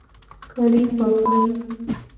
کالي پاک کړئ